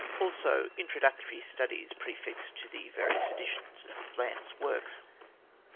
also introductory studies prefixed to various editions of Lamb's works.